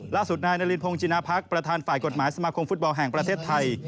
ล่าสุดนายนารินพงศินาพักประธานฝ่ายกฎหมายสมาคมฟุตบอลแห่งประเทศไทย